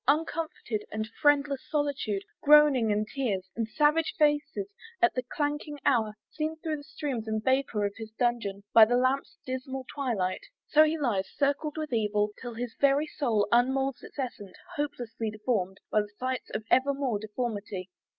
uncomforted And friendless solitude, groaning and tears, And savage faces, at the clanking hour, Seen through the steams and vapour of his dungeon, By the lamp's dismal twilight! So he lies Circled with evil, till his very soul Unmoulds its essence, hopelessly deformed By sights of ever more deformity!